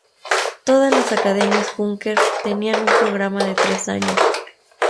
Todas las Academias Junker tenían un programa de tres años.